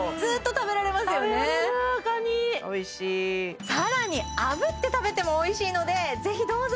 食べられるカニ更にあぶって食べてもおいしいのでぜひどうぞ！